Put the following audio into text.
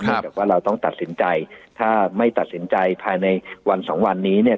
จากว่าเราต้องตัดสินใจถ้าไม่ตัดสินใจภายในวันสองวันนี้เนี่ย